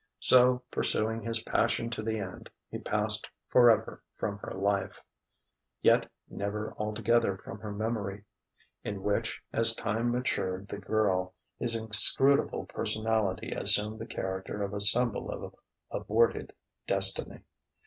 So, pursuing his passion to the end, he passed forever from her life, yet never altogether from her memory; in which, as time matured the girl, his inscrutable personality assumed the character of a symbol of aborted destiny.